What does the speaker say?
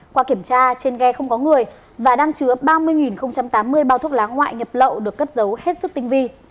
qua kiểm tra trên ghe không có người và đang chứa ba mươi tám mươi bao thuốc lá ngoại nhập lậu được cất dấu hết sức tinh vi